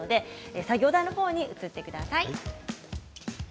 作業台のほうに移ってください。